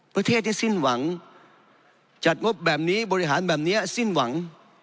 ประเทศที่สิ้นหวังจัดงบแบบนี้บริหารแบบนี้สิ้นหวัง